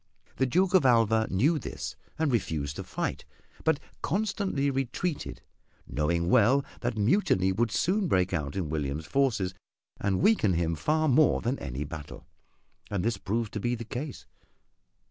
The Duke of Alva knew this and refused to fight, but constantly retreated, knowing well that mutiny would soon break out in William's forces and weaken him far more than any battle. And this proved to be the case.